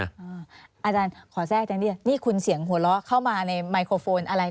อาจารย์ขอแทรกจังเนี่ยนี่คุณเสียงหัวเราะเข้ามาในไมโครโฟนอะไร